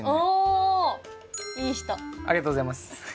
ありがとうございます。